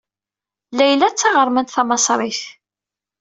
Layla d taɣermant tamaṣrit.